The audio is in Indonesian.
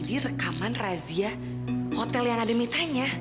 minta sidi rekaman razia hotel yang ada mitanya